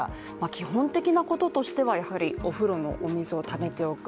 基本的なこととしては、お風呂のお水をためておく。